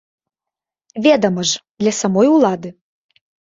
Ведама ж, для самой ўлады.